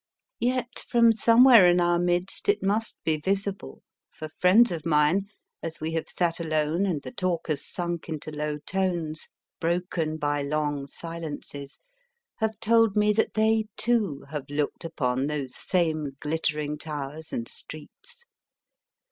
Yet, from somewhere in our midst, it must be visible for friends of mine, as we have sat alone, and the talk has sunk into low tones, broken by long silences, have told me that they, too, have looked upon those same glittering towers and streets.